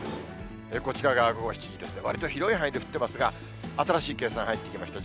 こちらが午後７時ですけれども、わりと広い範囲で降っていますが、新しい計算、入ってきました。